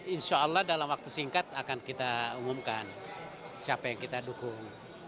insya allah dalam waktu singkat akan kita umumkan siapa yang kita dukung